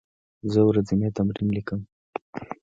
زه ورځنی تمرین لیکم.